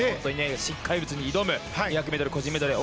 新怪物に挑む２００ｍ個人メドレー